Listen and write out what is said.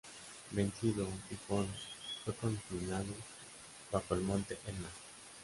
Vencido, Tifón fue confinado bajo el monte Etna.